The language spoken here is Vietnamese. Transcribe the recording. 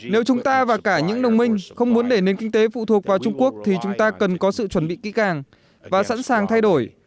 nếu chúng ta và cả những đồng minh không muốn để nền kinh tế phụ thuộc vào trung quốc thì chúng ta cần có sự chuẩn bị kỹ càng và sẵn sàng thay đổi